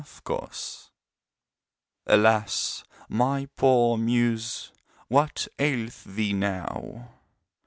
The Sick Muse Alas my poor Muse what aileth thee now?